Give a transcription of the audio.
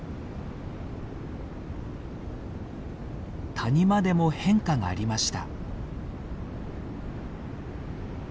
谷間でも変化がありました。